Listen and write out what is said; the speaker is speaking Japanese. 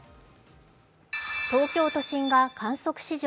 東京都心が観測史上